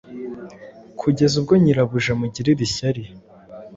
kugeza ubwo nyirabuja amugirira ishyari